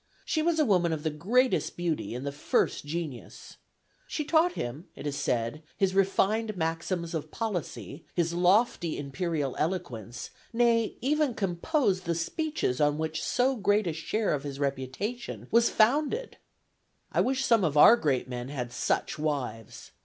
She was a woman of the greatest beauty and the first genius. She taught him, it is said, his refined maxims of policy, his lofty imperial eloquence, nay, even composed the speeches on which so great a share of his reputation was founded. ... "I wish some of our great men had such wives.